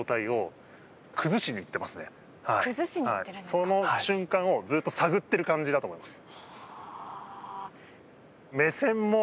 その瞬間をずっと探ってる感じだと思います。